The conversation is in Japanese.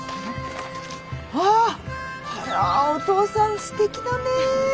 あらお父さんすてきだね！